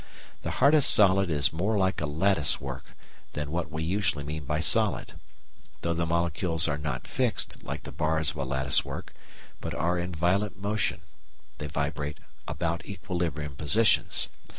The hardest solid is more like a lattice work than what we usually mean by "solid"; though the molecules are not fixed, like the bars of a lattice work, but are in violent motion; they vibrate about equilibrium positions.